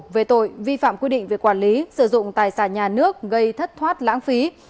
về tội vi phạm quy định về quản lý sử dụng tài sản nhà nước gây thất thoát lãng phí